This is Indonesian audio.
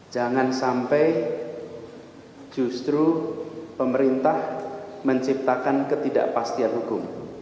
jangan sampai justru pemerintah menciptakan ketidakpastian hukum